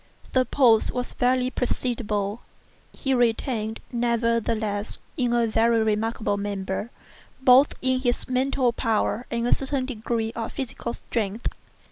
The pulse was barely perceptible. He retained, nevertheless, in a very remarkable manner, both his mental power and a certain degree of physical strength.